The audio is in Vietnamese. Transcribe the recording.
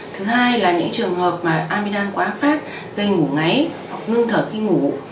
thứ hai là những trường hợp mà amidam quá phát gây ngủ ngáy hoặc ngưng thở khi ngủ